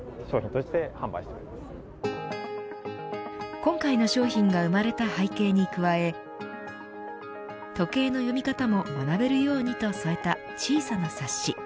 今回の商品が生まれた背景に加え時計の読み方も学べるようにと添えた小さな冊子。